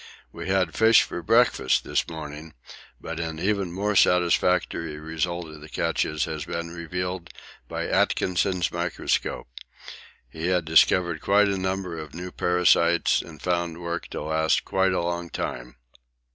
We had fish for breakfast this morning, but an even more satisfactory result of the catches has been revealed by Atkinson's microscope. He had discovered quite a number of new parasites and found work to last quite a long time.